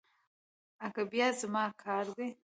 اگه بيا زما کار دی.